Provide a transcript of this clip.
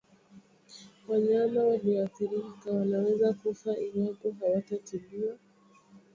Wanyama walioathirika wanaweza kufa iwapo hawatatibiwa